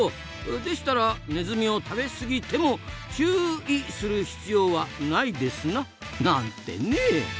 でしたらネズミを食べ過ぎても「チューい」する必要はないですな！なんてね。